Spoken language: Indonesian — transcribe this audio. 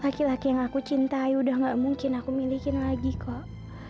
laki laki yang aku cintai udah gak mungkin aku milikin lagi kok